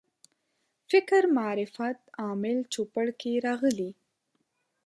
فکر معرفت عامل چوپړ کې راغلي.